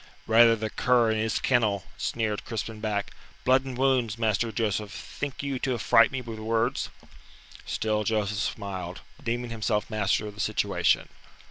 "Rather the cur in his kennel," sneered Crispin back. "Blood and wounds, Master Joseph, think you to affright me with words?" Still Joseph smiled, deeming himself master of the situation.